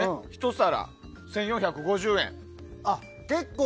１皿１４５０円。